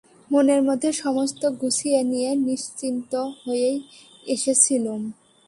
মনের মধ্যে সমস্ত গুছিয়ে নিয়ে নিশ্চিন্ত হয়েই এসেছিলুম।